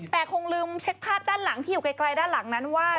แต่คงลืมเช็คภาพด้านหลังที่อยู่ไกลด้านหลังนั้นว่า